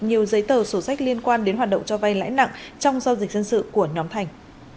nhiều giấy tờ sổ sách liên quan đến hoạt động cho vay lãi nặng trong giao dịch dân sự của nhóm thành